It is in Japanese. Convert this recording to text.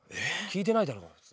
聞いてないだろ。